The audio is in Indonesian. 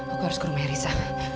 aku harus ke rumahnya rissa